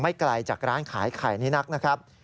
ไกลจากร้านขายไข่นี้นักนะครับ